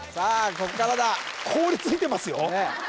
こっからだ凍りついてますよ